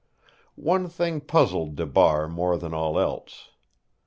One thing puzzled DeBar more than all else.